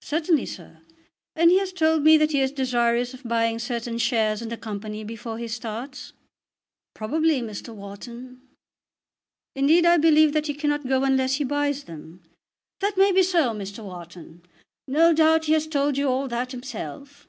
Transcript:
"Certainly, sir. And he has told me that he is desirous of buying certain shares in the Company before he starts." "Probably, Mr. Wharton." "Indeed, I believe he cannot go unless he buys them." "That may be so, Mr. Wharton. No doubt he has told you all that himself."